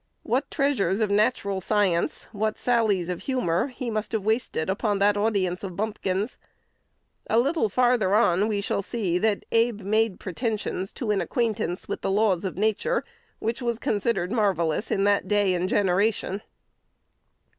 What treasures of natural science, what sallies of humor, he must have wasted upon that audience of bumpkins! A little farther on, we shall see that Abe made pretensions to an acquaintance with the laws of nature which was considered marvellous in that day and generation.